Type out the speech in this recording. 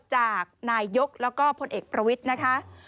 จากนายยกแล้วก็พลเอกประวิทย์นะคะ